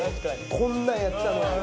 こんなんやってたのに。